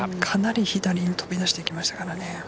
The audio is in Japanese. かなり左に飛び出していきましたからね。